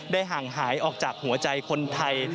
ห่างหายออกจากหัวใจคนไทย